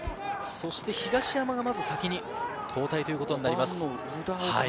東山が先に交代ということになります。